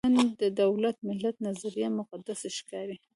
نن د دولت–ملت نظریه مقدس ښکاري.